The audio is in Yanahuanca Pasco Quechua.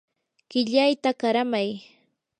qillayta qaramay.